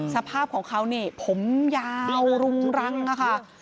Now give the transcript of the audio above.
สภาพของเขานี่ผมยาวรุงรังค่ะ